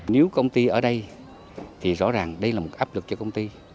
nếu công ty ở đây thì rõ ràng đây là một áp lực cho công ty